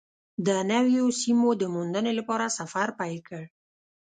د نویو سیمو د موندنې لپاره سفر پیل کړ.